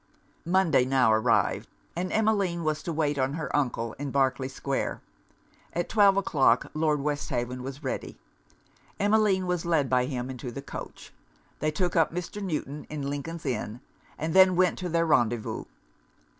Monday now arrived, and Emmeline was to wait on her uncle in Berkley square. At twelve o'clock Lord Westhaven was ready. Emmeline was led by him into the coach. They took up Mr. Newton in Lincolns inn; and then went to their rendezvous.